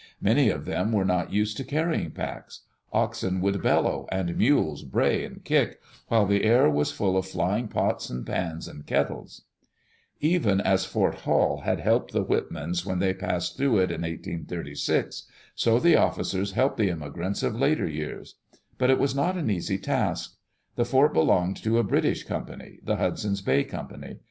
Many of them were not used to carrying packs. Oxen would bellow and mules bray and kick, while the air was full of flying pots and pans and kettles. Digitized by VjOOQ IC EARLY DAYS IN OLD OREGON Even as Fort Hall had helped the Whitmans when they passed through it in 1836, so the officers helped the immi grants of later years. But it was not an easy task. The fort belonged to a British company — the Hudson's Bay Company.